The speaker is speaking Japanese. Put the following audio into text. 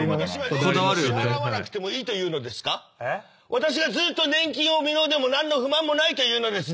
私がずっと年金を未納でも何の不満もないというのですね？